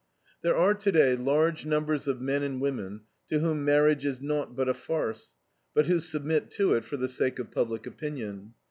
There are today large numbers of men and women to whom marriage is naught but a farce, but who submit to it for the sake of public opinion.